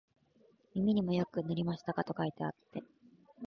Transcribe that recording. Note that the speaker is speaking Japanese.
耳にもよく塗りましたか、と書いてあって、